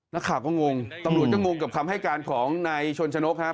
นักข่าวก็งงตำรวจก็งงกับคำให้การของนายชนชนกครับ